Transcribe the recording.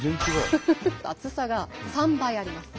厚さが３倍あります。